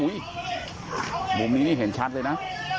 โอ๊ยมุมนี้เห็นชัดเลยนะ